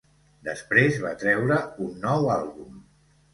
Després, va treure un nou àlbum.